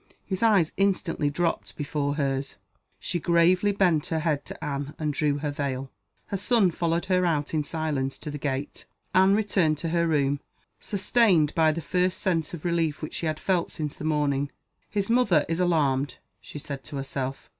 His eyes instantly dropped before hers. She gravely bent her head to Anne, and drew her veil. Her son followed her out in silence to the gate. Anne returned to her room, sustained by the first sense of relief which she had felt since the morning. "His mother is alarmed," she said to herself.